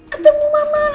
ketemu mama alhamdulillah